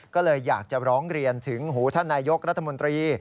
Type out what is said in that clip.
ก็เลยอยากจะร้องเรียนถึงหูท่านนายกรัฐมนตรี